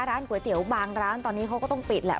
ร้านก๋วยเตี๋ยวบางร้านตอนนี้เขาก็ต้องปิดแหละ